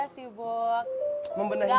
sibuk galau ya